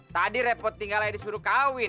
tadi repot tinggal aja disuruh kawin